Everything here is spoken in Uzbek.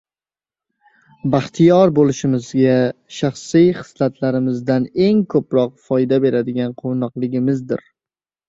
Baxtiyor bo‘lishimizga shaxsiy xislatlarimizdan eng ko‘proq foyda beradigani quvnoqligimizdir.